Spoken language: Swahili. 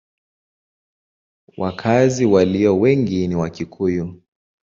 Wakazi walio wengi ni Wakikuyu.